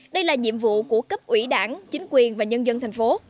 đây là nhiệm vụ của cấp ủy đảng chính quyền và nhân dân thành phố